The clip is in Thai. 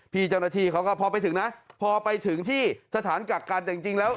พี่เจ้าหน้าที่เขาก็พอไปถึงนะพอไปถึงที่สถานกักกันแต่จริงแล้ว